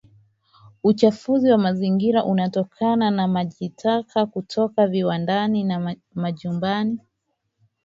Uchafuzi wa mazingira unatokana na majitaka kutoka viwandani na majumbani